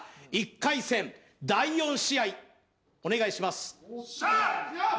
１回戦第４試合お願いしますしゃーっ！